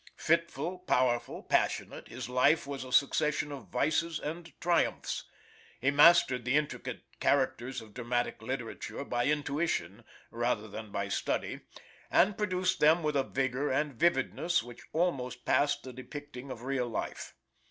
Fitful, powerful, passionate, his life was a succession of vices and triumphs. He mastered the intricate characters of dramatic literature by intuition, rather than by study, and produced them with a vigor and vividness which almost passed the depicting of real life.